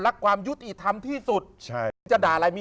แล้วไม่มีต่าง